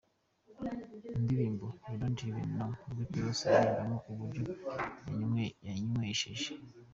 ndirimbo "You Don't Even Know",, Rick Ross aririmbamo uburyo yanywesheje.